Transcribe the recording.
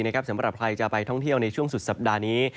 สำหรับใครจะไปท่องเที่ยวในช่วงสุดสัปดาห์นี้